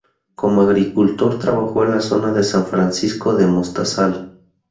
Como agricultor trabajó en la zona de San Francisco de Mostazal.